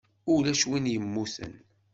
Ulac win yemmuten.